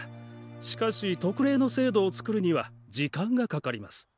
しかし特例の制度を作るには時間がかかります。